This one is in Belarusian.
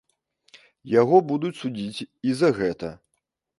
Яго будуць судзіць і за гэта.